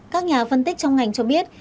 các nhà phân tích trong ngành cho biết